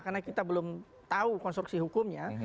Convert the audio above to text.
karena kita belum tahu konstruksi hukumnya